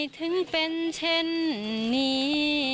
ถึงเป็นเช่นนี้